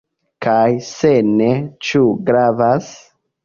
Kaj se ne, ĉu gravas?